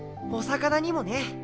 お魚にもね。